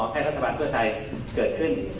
ให้รัฐบาลเพื่อไทยเกิดขึ้น